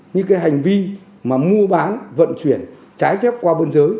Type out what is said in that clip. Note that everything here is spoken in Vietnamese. những cái hành vi mà mua bán vận chuyển trái kép qua bơn giới